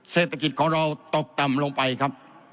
เศรษฐกิจของเราตกต่ำลงไปครับ